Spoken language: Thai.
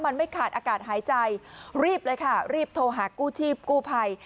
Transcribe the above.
มันไม่ขาดอากาศหายใจรีบเลยค่ะรีบโทรหากู้ชีพกู้ภัย